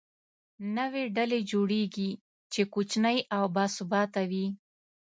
نوې ډلې جوړېږي، چې کوچنۍ او باثباته وي.